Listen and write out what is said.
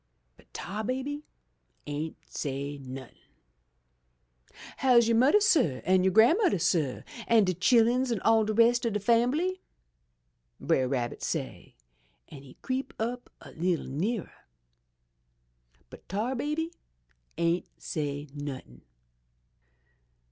"But Tar Baby ain't say nothin'. "* How's you' mudder, suh, an' you' grandmudder, suh, an' de chilluns, an' all de rest ob de fambly?' Brer Rabbit say, an' he creep up a leetle nearer. "But Tar Baby ain't say nothin'.